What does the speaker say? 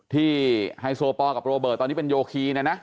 ไฮโซปอลกับโรเบิร์ตตอนนี้เป็นโยคีเนี่ยนะ